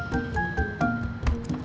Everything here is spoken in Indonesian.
pur ikut gue yuk